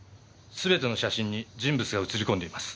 すべての写真に人物が写り込んでいます。